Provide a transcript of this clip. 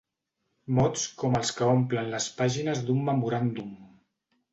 Mots com els que omplen les pàgines d'un memoràndum.